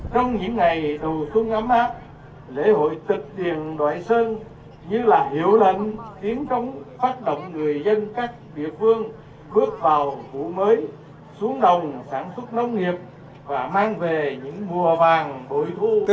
trong những ngày đù xuống ấm áp lễ hội tịch điền đoại sơn như là hiểu lẫn tiếng trống phát động người dân các địa phương bước vào vụ mới xuống đồng sản xuất nông nghiệp và mang về những mùa vàng bồi thu